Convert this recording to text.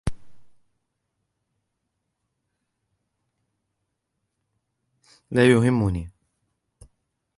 لا يهمني.